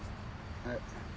はい。